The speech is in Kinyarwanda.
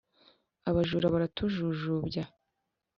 abajura baratujujubya